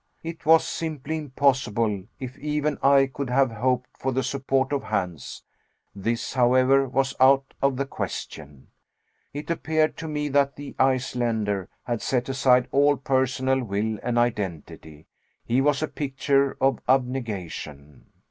It was simply impossible if even I could have hoped for the support of Hans. This, however, was out of the question. It appeared to me that the Icelander had set aside all personal will and identity. He was a picture of abnegation.